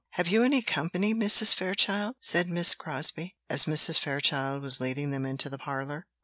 "Have you any company, Mrs. Fairchild?" said Miss Crosbie, as Mrs. Fairchild was leading them into the parlour.